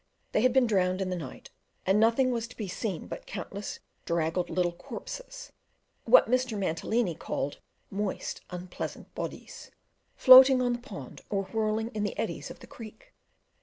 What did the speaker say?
They had been drowned in the night, and nothing was to be seen but countless draggled little corpses, what Mr. Mantilini called "moist unpleasant bodies," floating on the pond or whirling in the eddies of the creek.